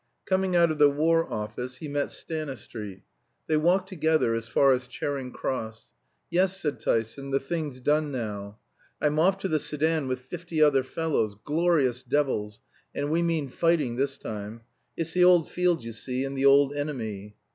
Coming out of the War Office he met Stanistreet. They walked together as far as Charing Cross. "Yes," said Tyson, "the thing's done now. I'm off to the Soudan with fifty other fellows glorious devils and we mean fighting this time. It's the old field, you see, and the old enemy."